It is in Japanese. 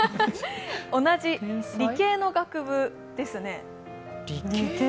理系の学部ですね。